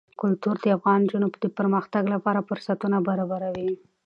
کلتور د افغان نجونو د پرمختګ لپاره فرصتونه برابروي.